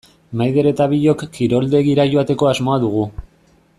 Maider eta biok kiroldegira joateko asmoa dugu.